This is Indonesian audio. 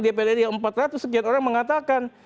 dpr ri yang empat ratus sekian orang mengatakan